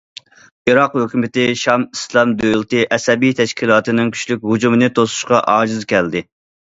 ئىراق ھۆكۈمىتى‹‹ شام ئىسلام دۆلىتى›› ئەسەبىي تەشكىلاتىنىڭ كۈچلۈك ھۇجۇمىنى توسۇشقا ئاجىز كەلدى.